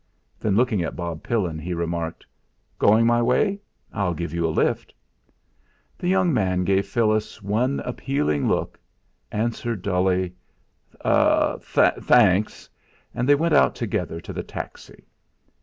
Then looking at Bob Pillin, he remarked: "Going my way? I'll give you a lift." The young man, giving Phyllis one appealing look, answered dully: "Tha anks!" and they went out together to the taxi.